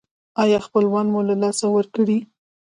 ایا خپلوان مو له لاسه ورکړي؟